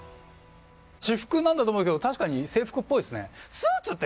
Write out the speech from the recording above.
私服なんだと思うけど確かに制服っぽいっすね。